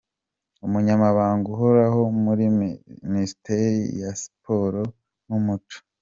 Umunyamabanga Uhoraho muri Minisiteri ya Siporo n’Umuco, Lt.